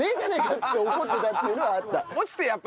っつって怒ってたっていうのはあった。